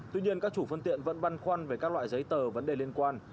tuy nhiên các chủ phân tiện vẫn văn khoăn về các loại giấy tờ vấn đề liên quan